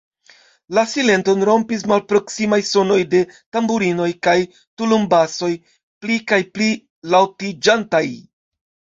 La silenton rompis malproksimaj sonoj de tamburinoj kaj tulumbasoj, pli kaj pli laŭtiĝantaj.